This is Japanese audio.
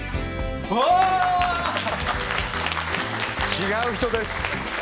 違う人です。